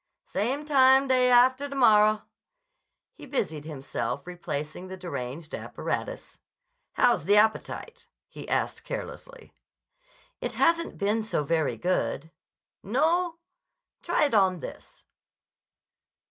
"Same time day after tomorra." He busied himself replacing the deranged apparatus. "How's the appetite?" he asked carelessly. "It hasn't been so very good." "No? Try it on this."